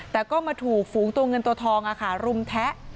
แต่ก็มาถูกฝูงตัวเงินตัวทองรุมแทะ